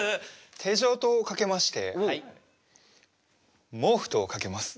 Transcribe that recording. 手錠とかけまして毛布とかけます。